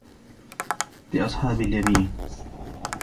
لِأَصْحَابِ الْيَمِينِ